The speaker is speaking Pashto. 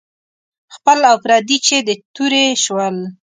خپل او پردي چې د تورې شول.